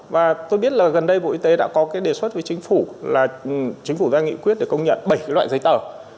và tôi biết là gần đây bộ y tế đã có cái đề xuất với chính phủ là chính phủ ra nghị quyết để công nhận bảy cái loại giấy tờ